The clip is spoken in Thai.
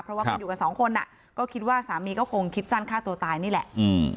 เพราะว่าก็อยู่กับสองคนอ่ะก็คิดว่าสามีก็คงคิดสั้นฆ่าตัวตายนี่แหละอืม